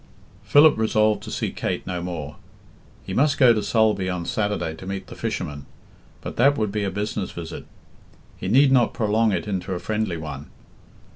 Philip resolved to see Kate no more. He must go to Sulby on Saturday to meet the fishermen, but that would be a business visit; he need not prolong it into a friendly one.